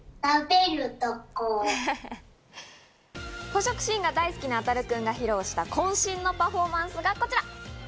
捕食シーンが大好きなあたる君が披露した渾身のパフォーマンスがこちら。